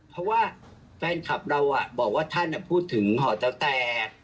เพราะว่าแฟนคลับเราบอกว่าท่านพูดถึงห่อเต้าแต่